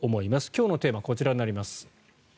今日のテーマはこちらになります。